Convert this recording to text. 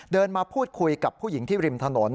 มาพูดคุยกับผู้หญิงที่ริมถนน